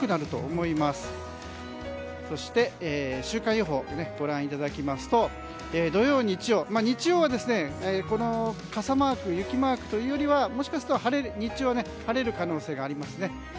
週間予報、ご覧いただきますと土曜日曜、日曜は傘マーク雪マークというよりはもしかしたら日中は晴れる可能性がありますね。